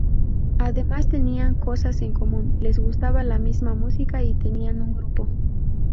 Además tenían cosas en común, les gustaba la misma música y tenían un grupo.